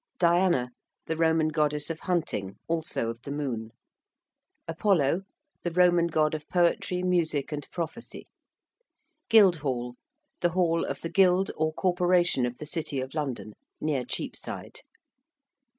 ~Diana~: the Roman Goddess of Hunting; also of the Moon. ~Apollo~: the Roman God of Poetry, Music, and Prophecy. ~Guildhall~: the hall of the Guild or Corporation of the City of London, near Cheapside.